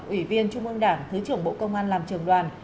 ủy viên trung ương đảng thứ trưởng bộ công an làm trường đoàn